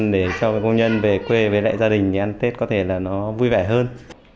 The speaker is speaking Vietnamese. để cho người công nhân về quê về lại gia đình thì ăn tết có thể là nó vui vẻ hơn